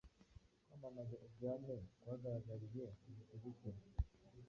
Kwamamaza iryo hame kwagaragariye mu mitegekere,